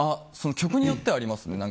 曲によってはありますね。